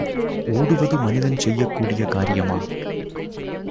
ஓடுவது மனிதன் செய்யக் கூடிய காரியமா!